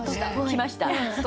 来ました？